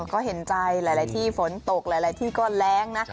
ก็เห็นใจหลายที่ฝนตกหลายที่ก็แรงนะ